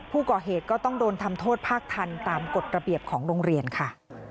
ก็ต้องโดนทำโทษภาคทันตามกฎระเบียบของโรงเรียนค่ะ